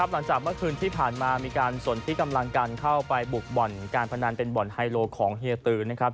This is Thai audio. หลังจากเมื่อคืนที่ผ่านมามีการสนที่กำลังกันเข้าไปบุกบ่อนการพนันเป็นบ่อนไฮโลของเฮียตือนะครับ